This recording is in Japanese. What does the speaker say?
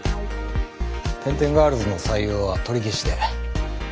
天天ガールズの採用は取り消しで。